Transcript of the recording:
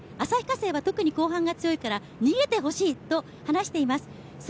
旭化成は特に後半が強いから逃げてほしいと話しています。